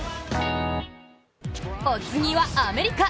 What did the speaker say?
お次は、アメリカ！